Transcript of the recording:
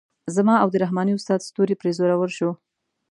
زما او د رحماني استاد ستوری پرې زورور شو.